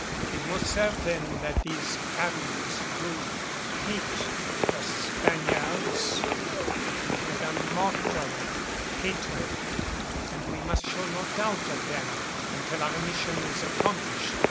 'Tis most certain that these Caribs do hate the Spaniards with a mortal hatred and we must show no doubt of them until our mission is accomplished.